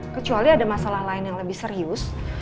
kecuali ada masalah lain yang lebih serius